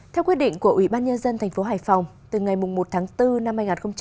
theo quyết định của ủy ban nhân dân tp hải phòng từ ngày một tháng bốn năm hai nghìn hai mươi